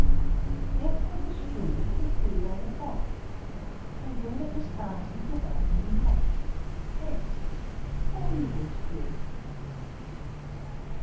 S S was a screw To screw down a box; And then it was fastened Without any locks. s! Valuable screw!